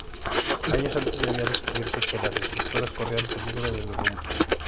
Años antes se había descubierto que las estructuras corrían peligro de derrumbe.